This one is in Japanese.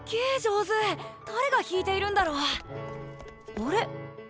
あれ？